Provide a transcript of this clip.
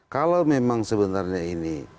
kalau memang sebenarnya ini